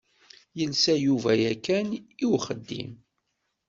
Yelsa Yuba yakan i uxeddim.